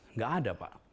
nggak ada pak